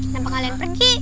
kenapa kalian pergi